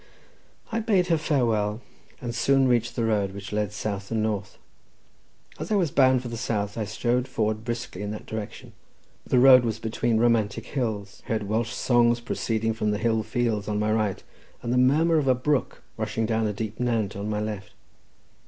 I bade her farewell, and soon reached the road, which led south and north. As I was bound for the south, I strode forward briskly in that direction. The road was between romantic hills; heard Welsh songs proceeding from the hill fields on my right, and the murmur of a brook rushing down a deep nant on my left.